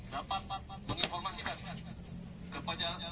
dapat menginformasikan kepada penyidik di trastrimum polda jabar